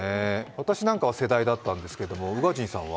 私なんかは世代だったんですけど、宇賀神さんは？